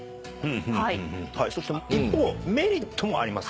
そして一方メリットもあります。